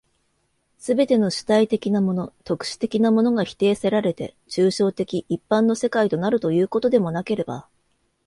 すべての主体的なもの、特殊的なものが否定せられて、抽象的一般の世界となるということでもなければ、